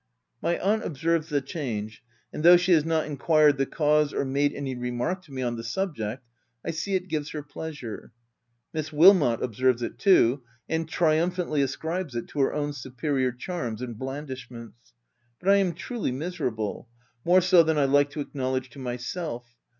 My aunt observes the change, and though she has not enquired the cause or made any remark to me on the subject, I see it gives her pleasure. Miss Wilmot observes it too, and triumphantly ascribes it to her own superior charms and blandishments; but I am truly miserable — more so than I like to acknowledge to myself.